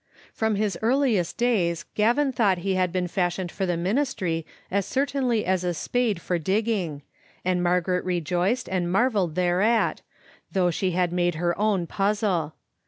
From his, earliest days Gavin thought he had been fashioned for the ministry as certainly as a spade for digging, and Mar garet rejoiced and marvelled thereat, though she had made her own puzzle.